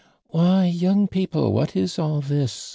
"Why, young people, what is all this?